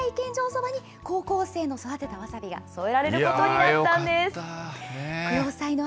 そばに、高校生の育てたわさびが添えられることになったんです。